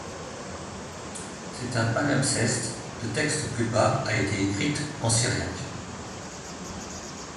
C'est un palimpseste, le texte plus bas a été écrite en syriac.